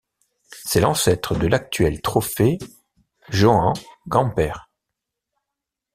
C'est l'ancêtre de l'actuel trophée Joan Gamper.